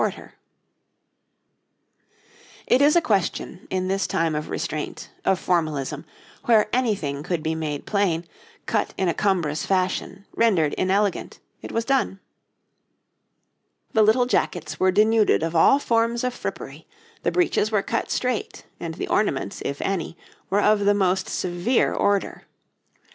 [Illustration: {A man of the time of the Cromwells; a type of jacket}] It is a question, in this time of restraint, of formalism, where anything could be made plain, cut in a cumbrous fashion, rendered inelegant, it was done. The little jackets were denuded of all forms of frippery, the breeches were cut straight, and the ornaments, if any, were of the most severe order.